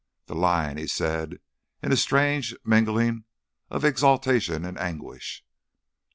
"The lion," he said in a strange mingling of exultation and anguish.